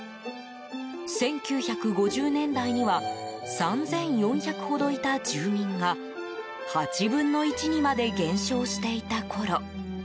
１９５０年代には３４００ほどいた住民が８分の１にまで減少していたころ。